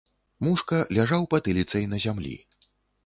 Мушка ляжаў патыліцай на зямлі.